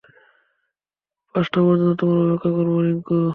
পাঁচটা পর্যন্ত তোমার অপেক্ষা করব, রিংকু।